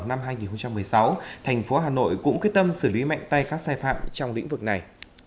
năm hai nghìn một mươi sáu thành phố hà nội cũng quyết tâm xử lý mạnh tay các sai phạm trong lĩnh vực này